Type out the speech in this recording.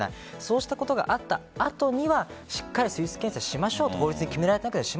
そうしたことがあった後にはしっかり水質検査をしましょうと法律で決めてきたわけですから。